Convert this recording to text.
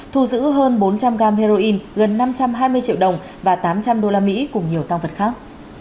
thu giữ hơn bốn trăm linh gam heroin gần năm trăm hai mươi triệu đồng và tám trăm linh đô la mỹ cùng nhiều tăng vật khác